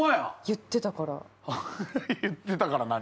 言ってたから何？